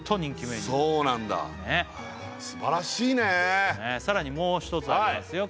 すばらしいねさらにもう１つありますよ